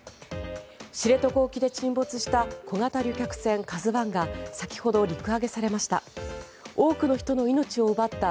知床沖で沈没した小型旅客船「ＫＡＺＵ１」が先ほど陸揚げされました。